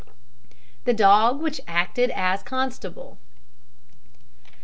THE DOG WHICH ACTED AS CONSTABLE.